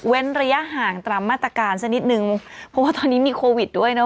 ระยะห่างตามมาตรการสักนิดนึงเพราะว่าตอนนี้มีโควิดด้วยเนอ